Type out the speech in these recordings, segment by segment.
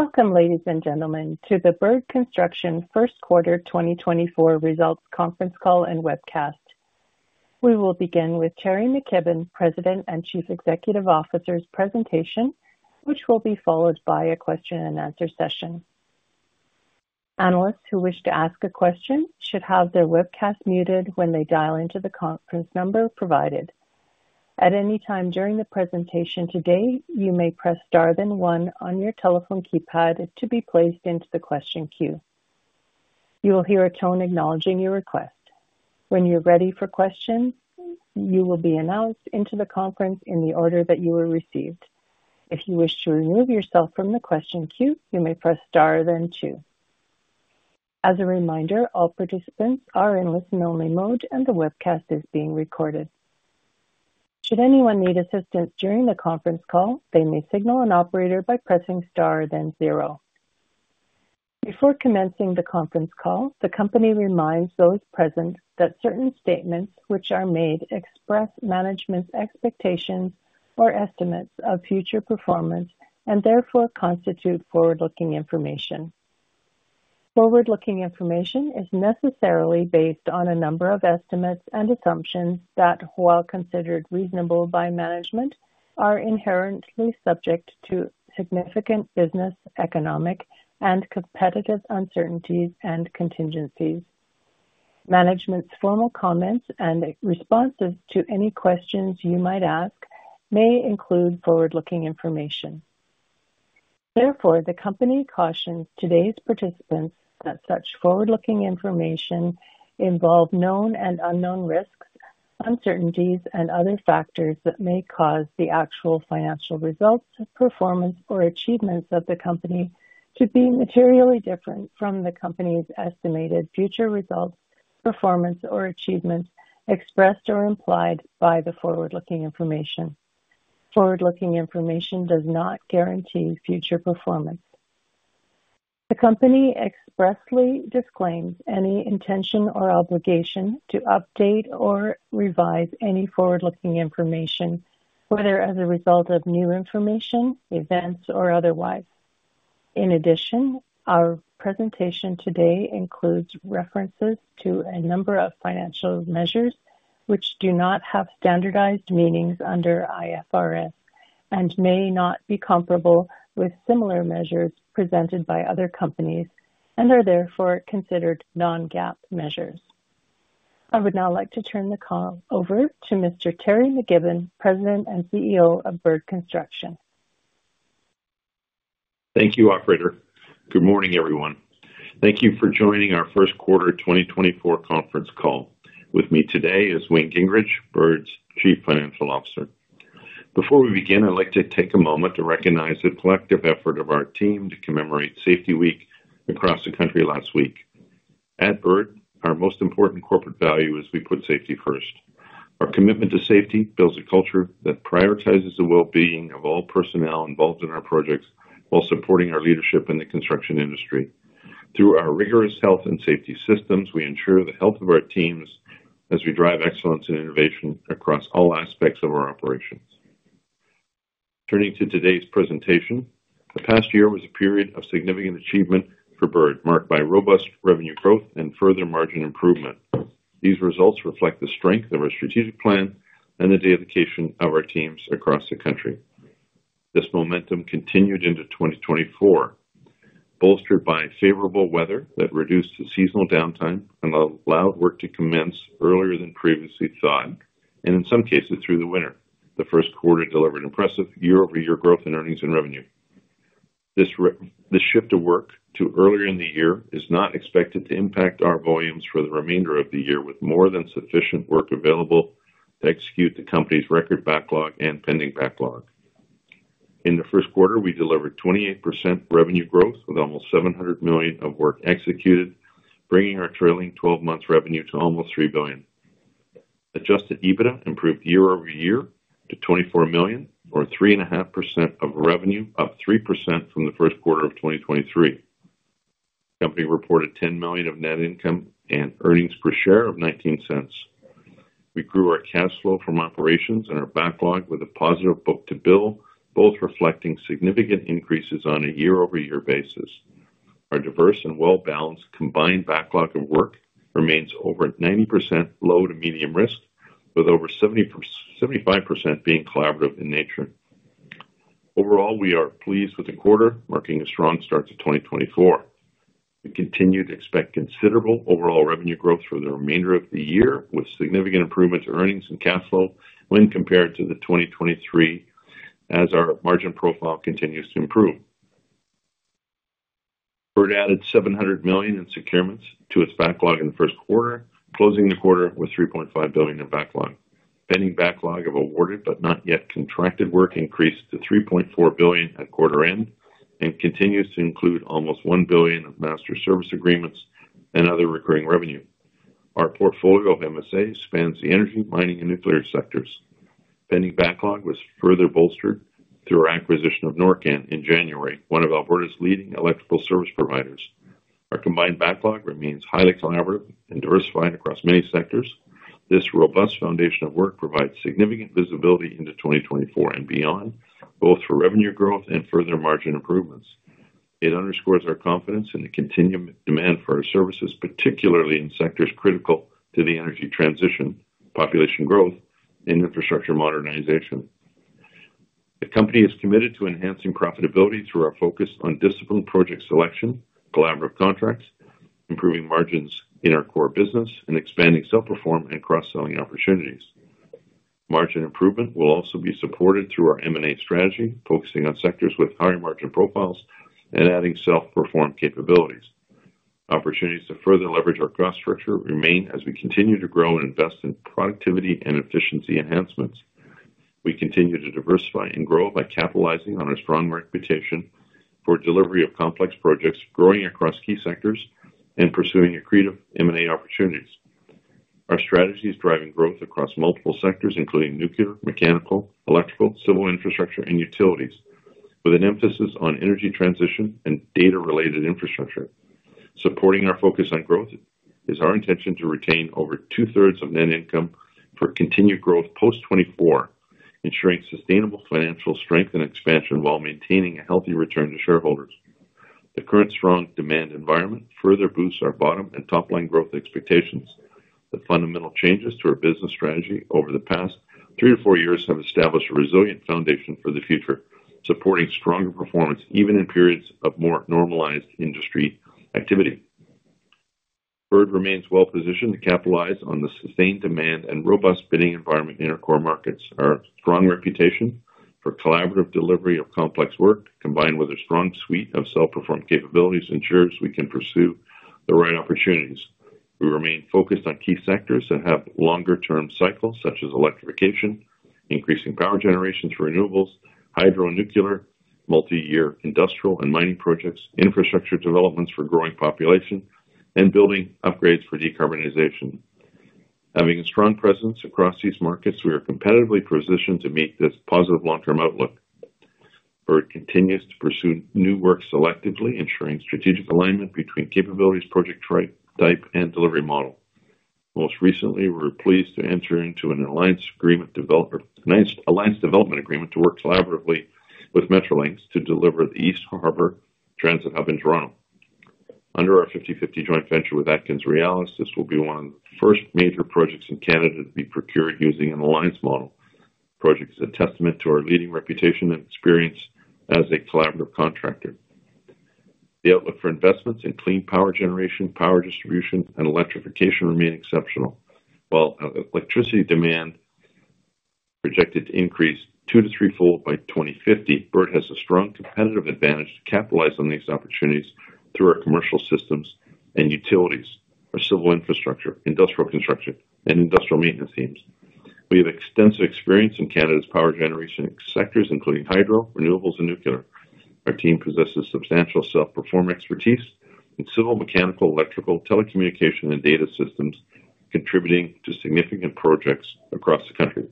Welcome, ladies and gentlemen, to the Bird Construction Q1 2024 Results Conference Call and Webcast. We will begin with Teri McKibbon, President and Chief Executive Officer's presentation, which will be followed by a question-and-answer session. Analysts who wish to ask a question should have their webcast muted when they dial into the conference number provided. At any time during the presentation today, you may press star then one on your telephone keypad to be placed into the question queue. You will hear a tone acknowledging your request. When you're ready for questions, you will be announced into the conference in the order that you were received. If you wish to remove yourself from the question queue, you may press star then two. As a reminder, all participants are in listen-only mode and the webcast is being recorded. Should anyone need assistance during the conference call, they may signal an operator by pressing star then 0. Before commencing the conference call, the company reminds those present that certain statements which are made express management's expectations or estimates of future performance and therefore constitute forward-looking information. Forward-looking information is necessarily based on a number of estimates and assumptions that, while considered reasonable by management, are inherently subject to significant business, economic, and competitive uncertainties and contingencies. Management's formal comments and responses to any questions you might ask may include forward-looking information. Therefore, the company cautions today's participants that such forward-looking information involves known and unknown risks, uncertainties, and other factors that may cause the actual financial results, performance, or achievements of the company to be materially different from the company's estimated future results, performance, or achievements expressed or implied by the forward-looking information. Forward-looking information does not guarantee future performance. The company expressly disclaims any intention or obligation to update or revise any forward-looking information, whether as a result of new information, events, or otherwise. In addition, our presentation today includes references to a number of financial measures which do not have standardized meanings under IFRS and may not be comparable with similar measures presented by other companies and are therefore considered non-GAAP measures. I would now like to turn the call over to Teri McKibbon, President and CEO of Bird Construction. Thank you, operator. Good morning, everyone. Thank you for joining our Q1 2024 conference call. With me today is Wayne Gingrich, Bird's Chief Financial Officer. Before we begin, I'd like to take a moment to recognize the collective effort of our team to commemorate Safety Week across the country last week. At Bird, our most important corporate value is we put safety first. Our commitment to safety builds a culture that prioritizes the well-being of all personnel involved in our projects while supporting our leadership in the construction industry. Through our rigorous health and safety systems, we ensure the health of our teams as we drive excellence and innovation across all aspects of our operations. Turning to today's presentation, the past year was a period of significant achievement for Bird, marked by robust revenue growth and further margin improvement. These results reflect the strength of our strategic plan and the dedication of our teams across the country. This momentum continued into 2024, bolstered by favorable weather that reduced seasonal downtime and allowed work to commence earlier than previously thought and, in some cases, through the winter. The Q1 delivered impressive year-over-year growth in earnings and revenue. This shift of work to earlier in the year is not expected to impact our volumes for the remainder of the year, with more than sufficient work available to execute the company's record backlog and pending backlog. In the Q1, we delivered 28% revenue growth with almost 700 million of work executed, bringing our trailing 12 months' revenue to almost 3 billion. Adjusted EBITDA improved year-over-year to 24 million, or 3.5% of revenue, up 3% from the Q1 of 2023. The company reported 10 million of net income and earnings per share of 0.19. We grew our cash flow from operations and our backlog with a positive book-to-bill, both reflecting significant increases on a year-over-year basis. Our diverse and well-balanced combined backlog of work remains over 90% low to medium risk, with over 75% being collaborative in nature. Overall, we are pleased with the quarter, marking a strong start to 2024. We continue to expect considerable overall revenue growth for the remainder of the year, with significant improvements in earnings and cash flow when compared to 2023 as our margin profile continues to improve. Bird added 700 million in securements to its backlog in the Q1, closing the quarter with 3.5 billion in backlog. Pending backlog of awarded but not yet contracted work increased to 3.4 billion at quarter end and continues to include almost 1 billion of master service agreements and other recurring revenue. Our portfolio of MSA spans the energy, mining, and nuclear sectors. Pending backlog was further bolstered through our acquisition of NorCan in January, one of Alberta's leading electrical service providers. Our combined backlog remains highly collaborative and diversified across many sectors. This robust foundation of work provides significant visibility into 2024 and beyond, both for revenue growth and further margin improvements. It underscores our confidence in the continued demand for our services, particularly in sectors critical to the energy transition, population growth, and infrastructure modernization. The company is committed to enhancing profitability through our focus on disciplined project selection, collaborative contracts, improving margins in our core business, and expanding self-perform and cross-selling opportunities. Margin improvement will also be supported through our M&A strategy, focusing on sectors with higher margin profiles and adding self-perform capabilities. Opportunities to further leverage our cost structure remain as we continue to grow and invest in productivity and efficiency enhancements. We continue to diversify and grow by capitalizing on our strong reputation for delivery of complex projects, growing across key sectors, and pursuing accretive M&A opportunities. Our strategy is driving growth across multiple sectors, including nuclear, mechanical, electrical, civil infrastructure, and utilities, with an emphasis on energy transition and data-related infrastructure. Supporting our focus on growth is our intention to retain over two-thirds of net income for continued growth post-2024, ensuring sustainable financial strength and expansion while maintaining a healthy return to shareholders. The current strong demand environment further boosts our bottom and top-line growth expectations. The fundamental changes to our business strategy over the past 3-4 years have established a resilient foundation for the future, supporting stronger performance even in periods of more normalized industry activity. Bird remains well-positioned to capitalize on the sustained demand and robust bidding environment in our core markets. Our strong reputation for collaborative delivery of complex work, combined with a strong suite of self-perform capabilities, ensures we can pursue the right opportunities. We remain focused on key sectors that have longer-term cycles, such as electrification, increasing power generation through renewables, hydro and nuclear, multi-year industrial and mining projects, infrastructure developments for growing population, and building upgrades for decarbonization. Having a strong presence across these markets, we are competitively positioned to meet this positive long-term outlook. Bird continues to pursue new work selectively, ensuring strategic alignment between capabilities, project type, and delivery model. Most recently, we were pleased to enter into an alliance development agreement to work collaboratively with Metrolinx to deliver the East Harbour Transit Hub in Toronto. Under our 50/50 joint venture with AtkinsRéalis, this will be one of the first major projects in Canada to be procured using an alliance model. Project is a testament to our leading reputation and experience as a collaborative contractor. The outlook for investments in clean power generation, power distribution, and electrification remains exceptional. While electricity demand is projected to increase two- to threefold by 2050, Bird has a strong competitive advantage to capitalize on these opportunities through our commercial systems and utilities, our civil infrastructure, industrial construction, and industrial maintenance teams. We have extensive experience in Canada's power generation sectors, including hydro, renewables, and nuclear. Our team possesses substantial self-perform expertise in civil, mechanical, electrical, telecommunication, and data systems, contributing to significant projects across the country.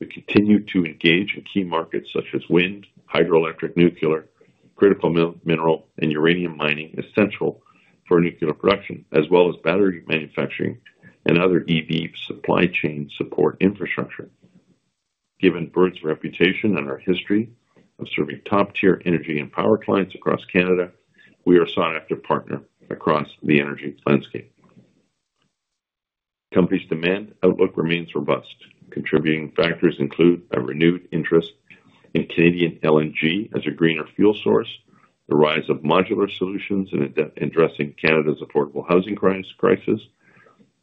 We continue to engage in key markets such as wind, hydroelectric, nuclear, critical mineral, and uranium mining, essential for nuclear production, as well as battery manufacturing and other EV supply chain support infrastructure. Given Bird's reputation and our history of serving top-tier energy and power clients across Canada, we are sought-after partners across the energy landscape. The company's demand outlook remains robust. Contributing factors include a renewed interest in Canadian LNG as a greener fuel source, the rise of modular solutions in addressing Canada's affordable housing crisis,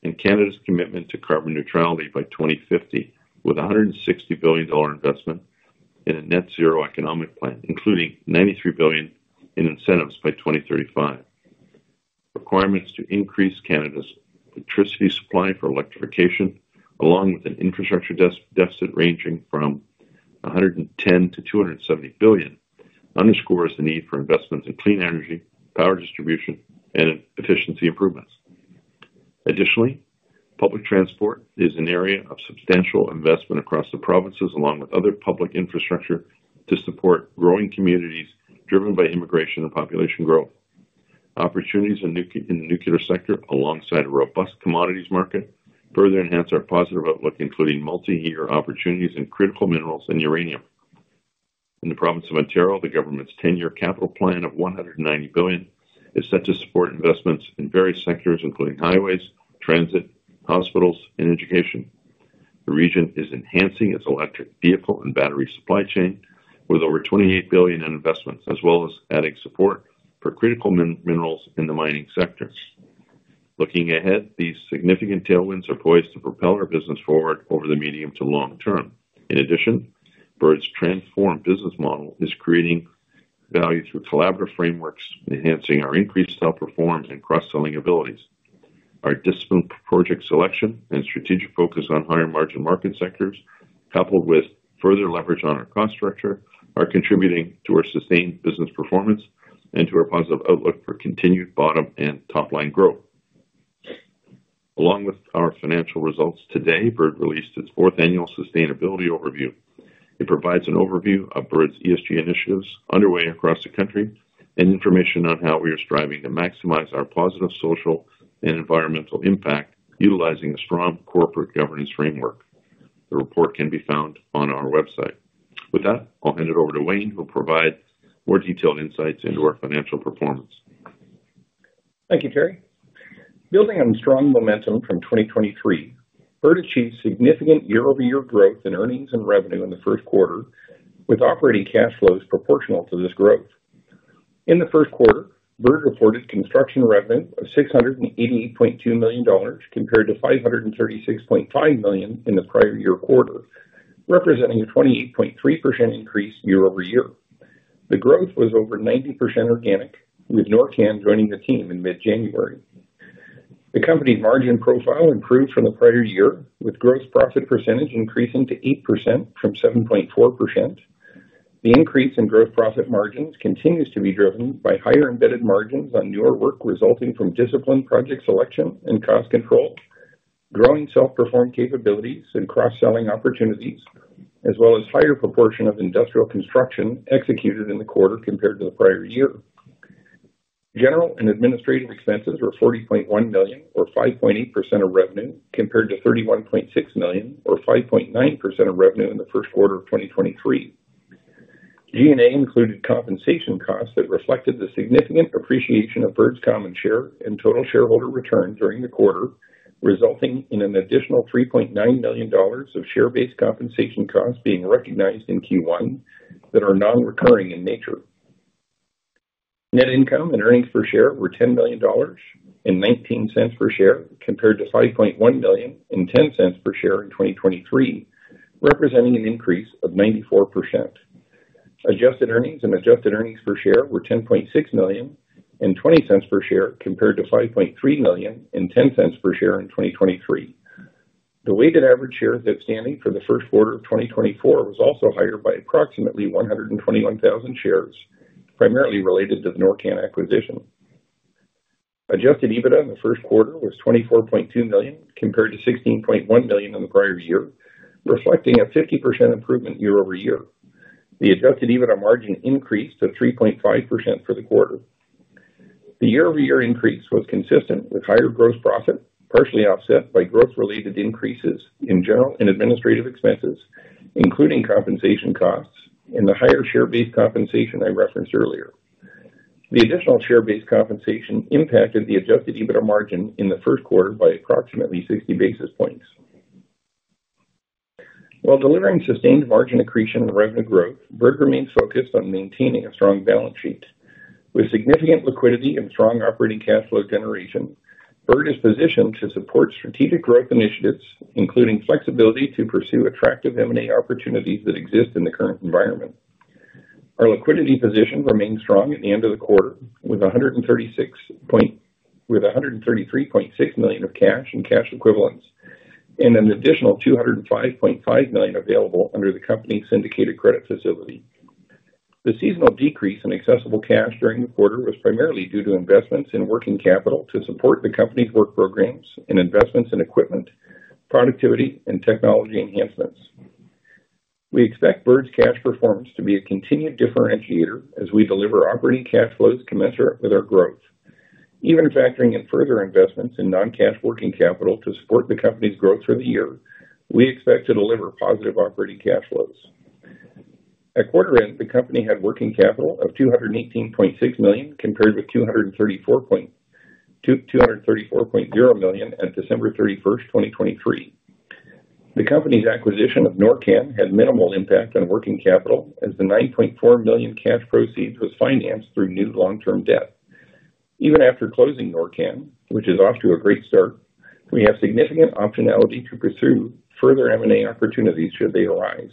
and Canada's commitment to carbon neutrality by 2050 with a 160 billion dollar investment in a net-zero economic plan, including 93 billion in incentives by 2035. Requirements to increase Canada's electricity supply for electrification, along with an infrastructure deficit ranging from 110 billion-270 billion, underscore the need for investments in clean energy, power distribution, and efficiency improvements. Additionally, public transport is an area of substantial investment across the provinces, along with other public infrastructure, to support growing communities driven by immigration and population growth. Opportunities in the nuclear sector, alongside a robust commodities market, further enhance our positive outlook, including multi-year opportunities in critical minerals and uranium. In the province of Ontario, the government's 10-year capital plan of 190 billion is set to support investments in various sectors, including highways, transit, hospitals, and education. The region is enhancing its electric vehicle and battery supply chain with over 28 billion in investments, as well as adding support for critical minerals in the mining sector. Looking ahead, these significant tailwinds are poised to propel our business forward over the medium to long term. In addition, Bird's transformed business model is creating value through collaborative frameworks, enhancing our increased self-perform and cross-selling abilities. Our disciplined project selection and strategic focus on higher margin market sectors, coupled with further leverage on our cost structure, are contributing to our sustained business performance and to our positive outlook for continued bottom and top-line growth. Along with our financial results today, Bird released its fourth annual sustainability overview. It provides an overview of Bird's ESG initiatives underway across the country and information on how we are striving to maximize our positive social and environmental impact utilizing a strong corporate governance framework. The report can be found on our website. With that, I'll hand it over to Wayne, who will provide more detailed insights into our financial performance. Thank you, Teri. Building on strong momentum from 2023, Bird achieved significant year-over-year growth in earnings and revenue in the Q1, with operating cash flows proportional to this growth. In the Q1, Bird reported construction revenue of 688.2 million dollars compared to 536.5 million in the prior year quarter, representing a 28.3% increase year-over-year. The growth was over 90% organic, with NorCan joining the team in mid-January. The company's margin profile improved from the prior year, with gross profit percentage increasing to 8% from 7.4%. The increase in gross profit margins continues to be driven by higher embedded margins on newer work resulting from disciplined project selection and cost control, growing self-perform capabilities and cross-selling opportunities, as well as a higher proportion of industrial construction executed in the quarter compared to the prior year. General and administrative expenses were 40.1 million, or 5.8% of revenue, compared to 31.6 million, or 5.9% of revenue in the Q1 of 2023. G&A included compensation costs that reflected the significant appreciation of Bird's common share and total shareholder return during the quarter, resulting in an additional 3.9 million dollars of share-based compensation costs being recognized in Q1 that are non-recurring in nature. Net income and earnings per share were 10 million dollars and 0.19 per share compared to 5.1 million and 0.10 per share in 2023, representing an increase of 94%. Adjusted earnings and adjusted earnings per share were 10.6 million and 0.20 per share compared to 5.3 million and 0.10 per share in 2023. The weighted average share outstanding for the Q1 of 2024 was also higher by approximately 121,000 shares, primarily related to the NorCan acquisition. Adjusted EBITDA in the Q1 was 24.2 million compared to 16.1 million in the prior year, reflecting a 50% improvement year-over-year. The adjusted EBITDA margin increased to 3.5% for the quarter. The year-over-year increase was consistent with higher gross profit, partially offset by growth-related increases in general and administrative expenses, including compensation costs and the higher share-based compensation I referenced earlier. The additional share-based compensation impacted the adjusted EBITDA margin in the Q1 by approximately 60 basis points. While delivering sustained margin accretion and revenue growth, Bird remains focused on maintaining a strong balance sheet. With significant liquidity and strong operating cash flow generation, Bird is positioned to support strategic growth initiatives, including flexibility to pursue attractive M&A opportunities that exist in the current environment. Our liquidity position remains strong at the end of the quarter, with 133.6 million of cash and cash equivalents and an additional 205.5 million available under the company's syndicated credit facility. The seasonal decrease in accessible cash during the quarter was primarily due to investments in working capital to support the company's work programs and investments in equipment, productivity, and technology enhancements. We expect Bird's cash performance to be a continued differentiator as we deliver operating cash flows commensurate with our growth. Even factoring in further investments in non-cash working capital to support the company's growth for the year, we expect to deliver positive operating cash flows. At quarter-end, the company had working capital of 218.6 million compared with 234.0 million on December 31st, 2023. The company's acquisition of NorCan had minimal impact on working capital, as the 9.4 million cash proceeds was financed through new long-term debt. Even after closing NorCan, which is off to a great start, we have significant optionality to pursue further M&A opportunities should they arise.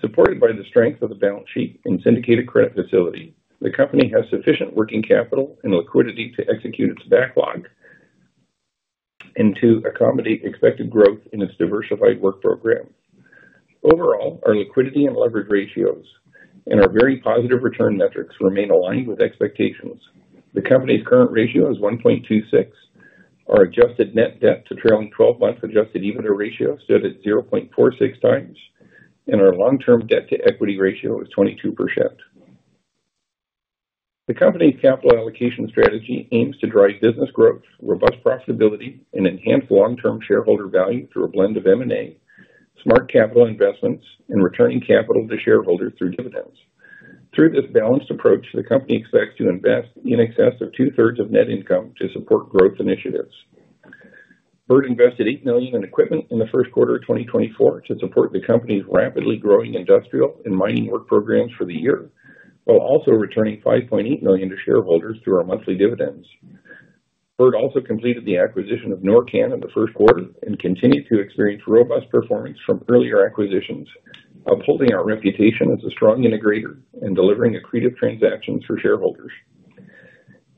Supported by the strength of the balance sheet and syndicated credit facility, the company has sufficient working capital and liquidity to execute its backlog and to accommodate expected growth in its diversified work program. Overall, our liquidity and leverage ratios and our very positive return metrics remain aligned with expectations. The company's current ratio is 1.26. Our adjusted net debt to trailing 12-month adjusted EBITDA ratio stood at 0.46 times, and our long-term debt-to-equity ratio is 22%. The company's capital allocation strategy aims to drive business growth, robust profitability, and enhanced long-term shareholder value through a blend of M&A, smart capital investments, and returning capital to shareholders through dividends. Through this balanced approach, the company expects to invest in excess of two-thirds of net income to support growth initiatives. Bird invested 8 million in equipment in the Q1 of 2024 to support the company's rapidly growing industrial and mining work programs for the year, while also returning 5.8 million to shareholders through our monthly dividends. Bird also completed the acquisition of NorCan in the Q1 and continued to experience robust performance from earlier acquisitions, upholding our reputation as a strong integrator and delivering accretive transactions for shareholders.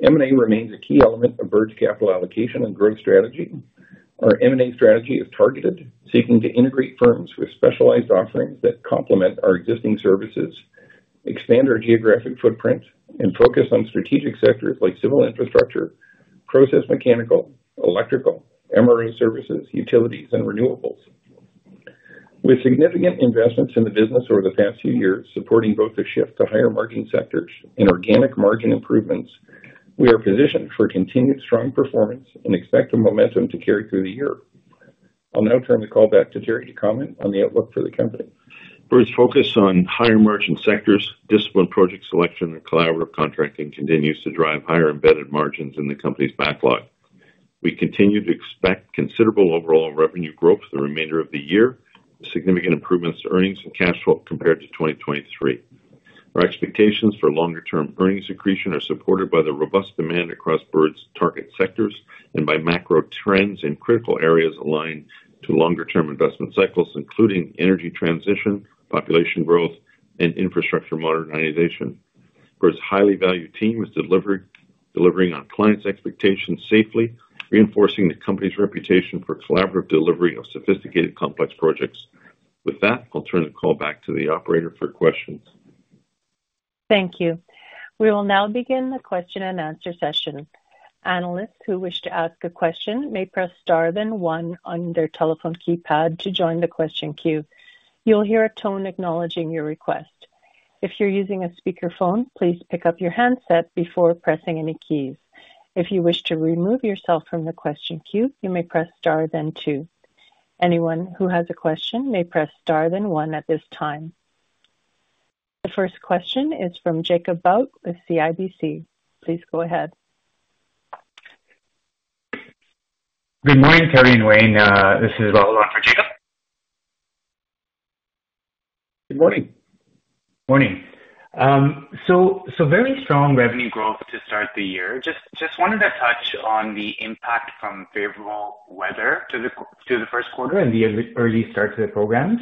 M&A remains a key element of Bird's capital allocation and growth strategy. Our M&A strategy is targeted, seeking to integrate firms with specialized offerings that complement our existing services, expand our geographic footprint, and focus on strategic sectors like civil infrastructure, process mechanical, electrical, MRO services, utilities, and renewables. With significant investments in the business over the past few years supporting both a shift to higher margin sectors and organic margin improvements, we are positioned for continued strong performance and expect a momentum to carry through the year. I'll now turn the call back to Teri to comment on the outlook for the company. Bird's focus on higher margin sectors, disciplined project selection, and collaborative contracting continues to drive higher embedded margins in the company's backlog. We continue to expect considerable overall revenue growth the remainder of the year, with significant improvements to earnings and cash flow compared to 2023. Our expectations for longer-term earnings accretion are supported by the robust demand across Bird's target sectors and by macro trends in critical areas aligned to longer-term investment cycles, including energy transition, population growth, and infrastructure modernization. Bird's highly valued team is delivering on clients' expectations safely, reinforcing the company's reputation for collaborative delivery of sophisticated, complex projects. With that, I'll turn the call back to the operator for questions. Thank you. We will now begin the question-and-answer session. Analysts who wish to ask a question may press star then one on their telephone keypad to join the question queue. You'll hear a tone acknowledging your request. If you're using a speakerphone, please pick up your handset before pressing any keys. If you wish to remove yourself from the question queue, you may press star then two. Anyone who has a question may press star then one at this time. The first question is from Jacob Bout with CIBC. Please go ahead. Good morning, Teri and Wayne. This is Raoul on for Jacob. Good morning. Morning. So very strong revenue growth to start the year. Just wanted to touch on the impact from favorable weather to the Q1 and the early start to the programs.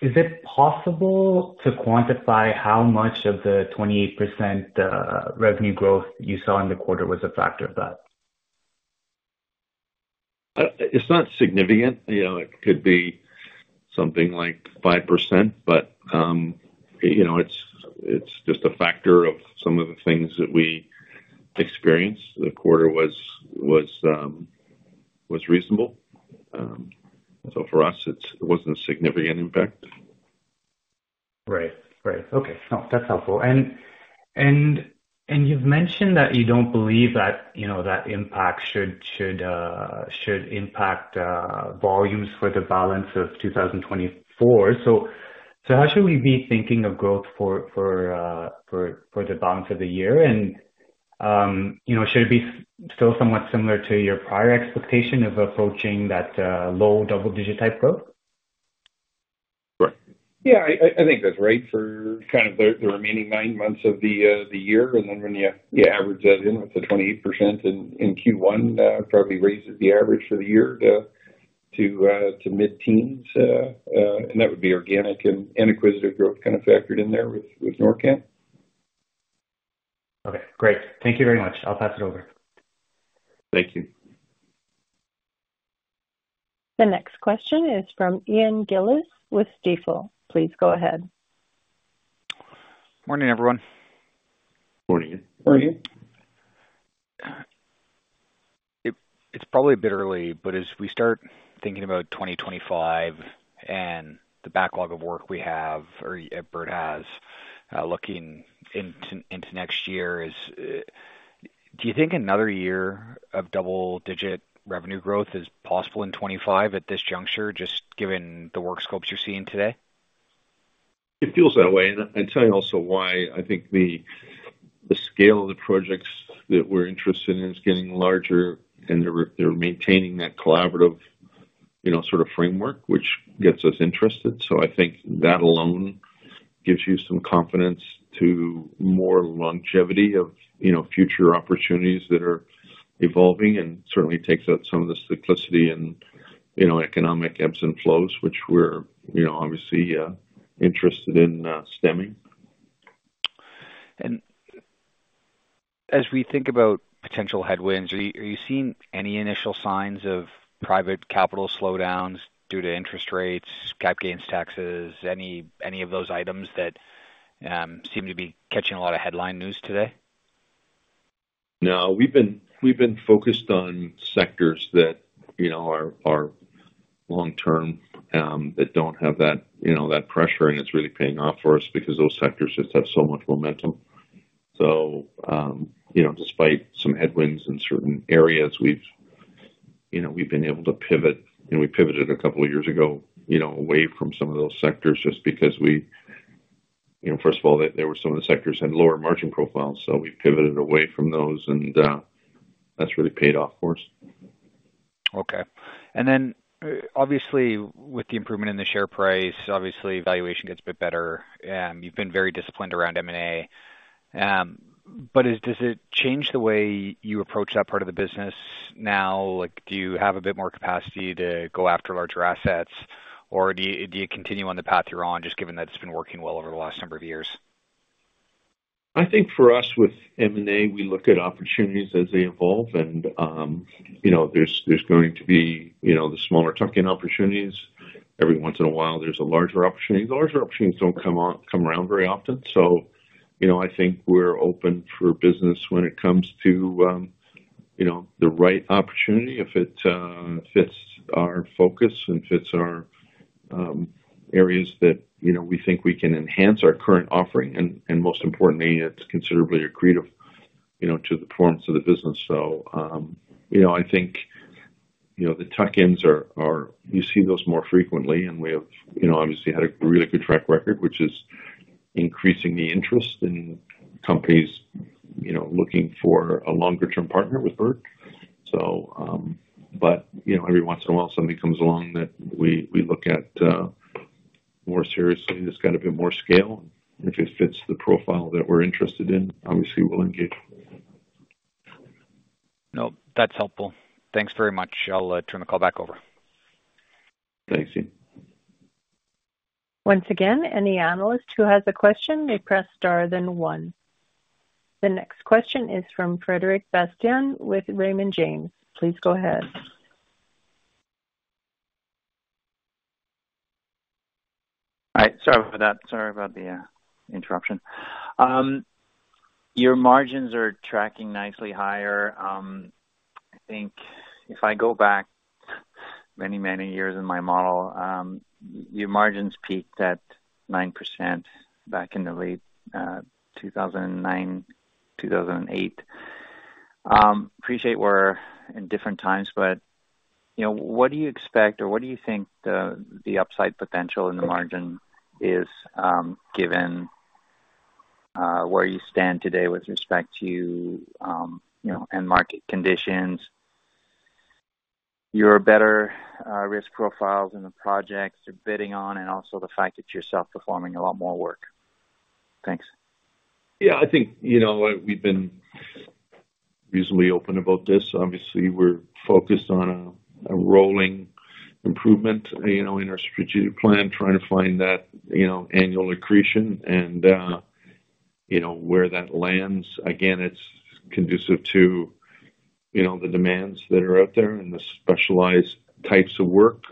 Is it possible to quantify how much of the 28% revenue growth you saw in the quarter was a factor of that? It's not significant. It could be something like 5%, but it's just a factor of some of the things that we experienced. The quarter was reasonable. So for us, it wasn't a significant impact. Right. Right. Okay. No, that's helpful. And you've mentioned that you don't believe that impact should impact volumes for the balance of 2024. So how should we be thinking of growth for the balance of the year? And should it be still somewhat similar to your prior expectation of approaching that low double-digit type growth? Right. Yeah, I think that's right for kind of the remaining nine months of the year. And then when you average that in with the 28% in Q1, it probably raises the average for the year to mid-teens. And that would be organic and acquisitive growth kind of factored in there with NorCan. Okay. Great. Thank you very much. I'll pass it over. Thank you. The next question is from Ian Gillies with Stifel. Please go ahead. Morning, everyone. Morning. Morning. It's probably a bit early, but as we start thinking about 2025 and the backlog of work we have or at Bird has looking into next year, do you think another year of double-digit revenue growth is possible in 2025 at this juncture, just given the work scopes you're seeing today? It feels that way. I tell you also why. I think the scale of the projects that we're interested in is getting larger, and they're maintaining that collaborative sort of framework, which gets us interested. I think that alone gives you some confidence to more longevity of future opportunities that are evolving and certainly takes out some of the cyclicity and economic ebbs and flows, which we're obviously interested in stemming. As we think about potential headwinds, are you seeing any initial signs of private capital slowdowns due to interest rates, cap gains taxes, any of those items that seem to be catching a lot of headline news today? No. We've been focused on sectors that are long-term that don't have that pressure, and it's really paying off for us because those sectors just have so much momentum. So despite some headwinds in certain areas, we've been able to pivot and we pivoted a couple of years ago away from some of those sectors just because we, first of all, there were some of the sectors had lower margin profiles. So we pivoted away from those, and that's really paid off for us. Okay. And then obviously, with the improvement in the share price, obviously, valuation gets a bit better. You've been very disciplined around M&A. But does it change the way you approach that part of the business now? Do you have a bit more capacity to go after larger assets, or do you continue on the path you're on just given that it's been working well over the last number of years? I think for us with M&A, we look at opportunities as they evolve, and there's going to be the smaller tuck-in opportunities. Every once in a while, there's a larger opportunity. The larger opportunities don't come around very often. So I think we're open for business when it comes to the right opportunity if it fits our focus and fits our areas that we think we can enhance our current offering. And most importantly, it's considerably accretive to the performance of the business. So I think the tuck-ins are you see those more frequently. And we have obviously had a really good track record, which is increasing the interest in companies looking for a longer-term partner with Bird. But every once in a while, something comes along that we look at more seriously. It's got a bit more scale. If it fits the profile that we're interested in, obviously, we'll engage. No, that's helpful. Thanks very much. I'll turn the call back over. Thanks, Ian. Once again, any analyst who has a question, may press star then one. The next question is from Frederic Bastien with Raymond James. Please go ahead. All right. Sorry about that. Sorry about the interruption. Your margins are tracking nicely higher. I think if I go back many, many years in my model, your margins peaked at 9% back in the late 2009, 2008. Appreciate we're in different times, but what do you expect or what do you think the upside potential in the margin is given where you stand today with respect to end-market conditions, your better risk profiles in the projects you're bidding on, and also the fact that you're self-performing a lot more work? Thanks. Yeah, I think we've been reasonably open about this. Obviously, we're focused on a rolling improvement in our strategic plan, trying to find that annual accretion and where that lands. Again, it's conducive to the demands that are out there and the specialized types of work.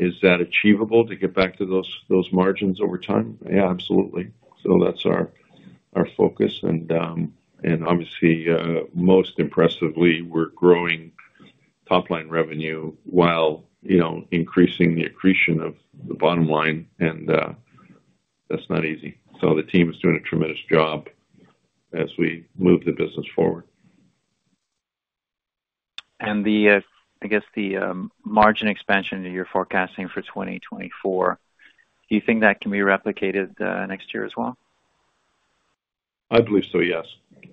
Is that achievable to get back to those margins over time? Yeah, absolutely. So that's our focus. And obviously, most impressively, we're growing top-line revenue while increasing the accretion of the bottom line. And that's not easy. So the team is doing a tremendous job as we move the business forward. I guess the margin expansion that you're forecasting for 2024, do you think that can be replicated next year as well? I believe so, yes,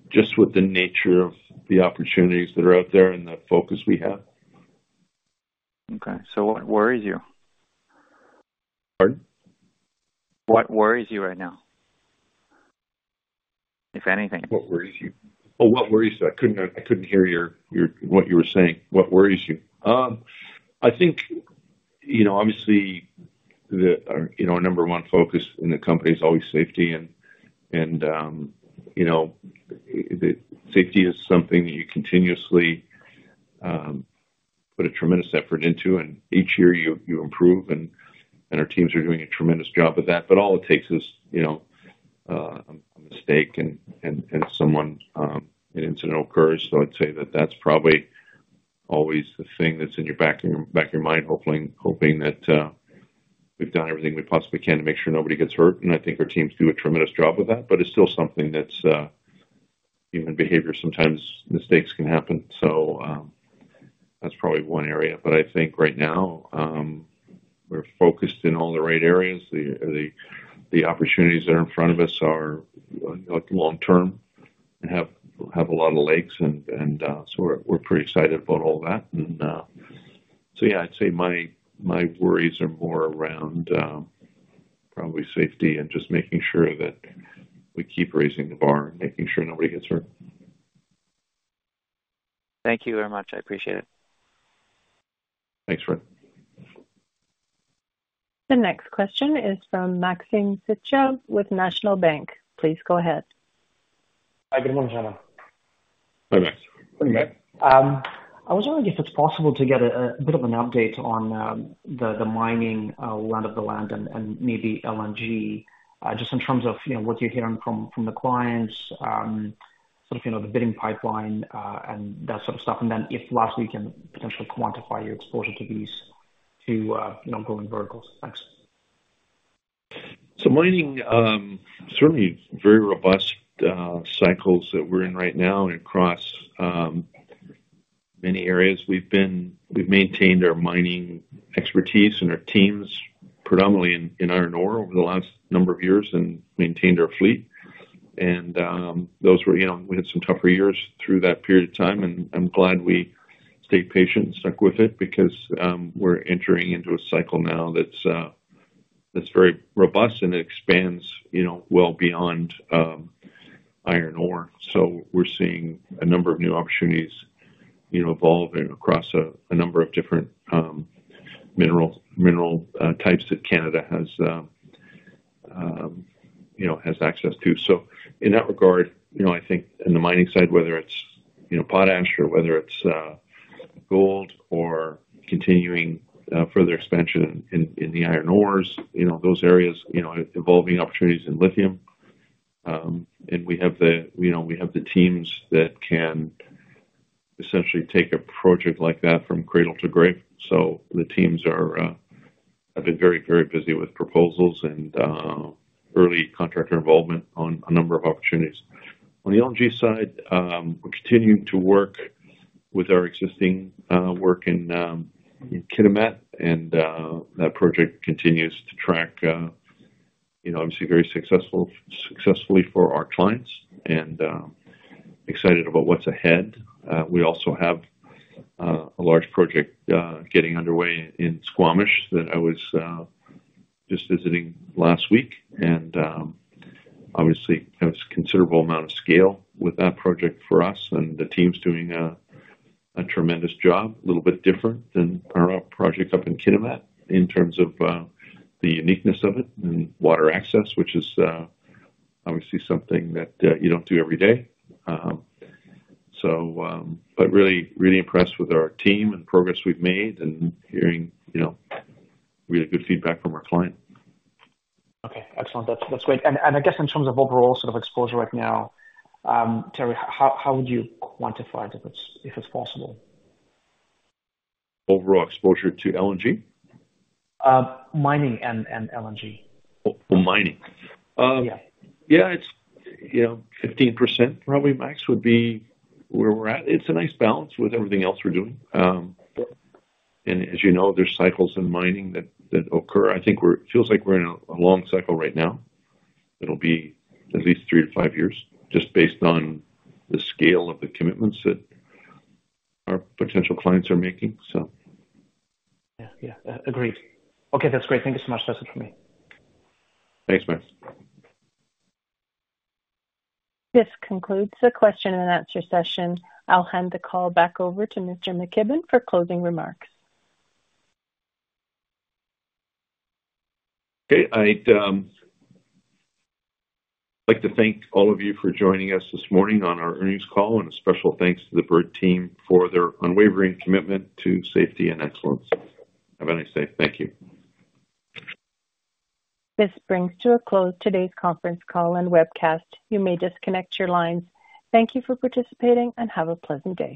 just with the nature of the opportunities that are out there and the focus we have. Okay. So what worries you? Pardon? What worries you right now, if anything? What worries you? Oh, what worries you? I couldn't hear what you were saying. What worries you? I think obviously, our number 1 focus in the company is always safety. And safety is something that you continuously put a tremendous effort into, and each year, you improve. And our teams are doing a tremendous job of that. But all it takes is a mistake, and an incident occurs. So I'd say that that's probably always the thing that's in the back of your mind, hoping that we've done everything we possibly can to make sure nobody gets hurt. And I think our teams do a tremendous job with that. But it's still something that's even behavior sometimes mistakes can happen. So that's probably one area. But I think right now, we're focused in all the right areas. The opportunities that are in front of us are long-term and have a lot of legs. And so we're pretty excited about all that. And so yeah, I'd say my worries are more around probably safety and just making sure that we keep raising the bar and making sure nobody gets hurt. Thank you very much. I appreciate it. Thanks, Fred. The next question is from Maxim Sytchev with National Bank Financial. Please go ahead. Hi. Good morning, Gentlemen. Hi, Max. I was wondering if it's possible to get a bit of an update on the mining and oil and gas and maybe LNG just in terms of what you're hearing from the clients, sort of the bidding pipeline and that sort of stuff. Then if possible, you can potentially quantify your exposure to these two growing verticals. Thanks. So, mining, certainly very robust cycles that we're in right now across many areas. We've maintained our mining expertise and our teams, predominantly in iron ore over the last number of years, and maintained our fleet. And those were we had some tougher years through that period of time. I'm glad we stayed patient and stuck with it because we're entering into a cycle now that's very robust, and it expands well beyond iron ore. So we're seeing a number of new opportunities evolving across a number of different mineral types that Canada has access to. So in that regard, I think in the mining side, whether it's potash or whether it's gold or continuing further expansion in the iron ores, those areas, evolving opportunities in lithium. And we have the teams that can essentially take a project like that from cradle to grave. So the teams have been very, very busy with proposals and early contractor involvement on a number of opportunities. On the LNG side, we're continuing to work with our existing work in Kitimat, and that project continues to track, obviously, very successfully for our clients, and excited about what's ahead. We also have a large project getting underway in Squamish that I was just visiting last week. And obviously, there's a considerable amount of scale with that project for us. And the team's doing a tremendous job, a little bit different than our project up in Kitimat in terms of the uniqueness of it and water access, which is obviously something that you don't do every day. But really impressed with our team and progress we've made and hearing really good feedback from our client. Okay. Excellent. That's great. I guess in terms of overall sort of exposure right now, Terry, how would you quantify it if it's possible? Overall exposure to LNG? Mining and LNG. Well, mining. Yeah, it's 15% probably, Max, would be where we're at. It's a nice balance with everything else we're doing. And as you know, there's cycles in mining that occur. I think it feels like we're in a long cycle right now. It'll be at least 3-5 years just based on the scale of the commitments that our potential clients are making, so. Yeah. Yeah. Agreed. Okay. That's great. Thank you so much. That's it for me. Thanks, Max. This concludes the question-and-answer session. I'll hand the call back over to Mr. McKibbon for closing remarks. Okay. I'd like to thank all of you for joining us this morning on our earnings call, and a special thanks to the Bird team for their unwavering commitment to safety and excellence. Have a nice day. Thank you. This brings to a close today's conference call and webcast. You may disconnect your lines. Thank you for participating, and have a pleasant day.